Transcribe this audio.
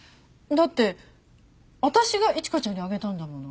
だって私が一花ちゃんにあげたんだもの。